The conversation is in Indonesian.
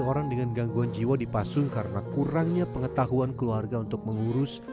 orang dengan gangguan jiwa dipasung karena kurangnya pengetahuan keluarga untuk mengurus